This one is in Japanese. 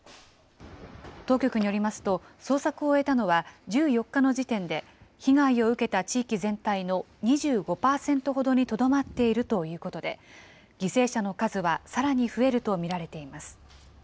当局によりますと、捜索を終えたのは１４日の時点で、被害を受けた地域全体の２５％ほどにとどまっているということで、犠牲者の数はさらに増えると見られています。